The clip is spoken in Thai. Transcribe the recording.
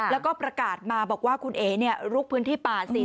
แล้วก็ประกาศมาบอกว่าคุณเอ๋ลุกพื้นที่ป่า๔๐